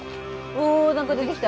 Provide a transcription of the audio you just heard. お何か出てきた。